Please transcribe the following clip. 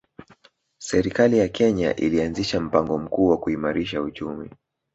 Serikali ya Kenya ilianzisha mpango mkuu wa kuimarisha uchumi